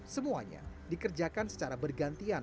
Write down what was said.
semuanya dikerjakan secara bergantian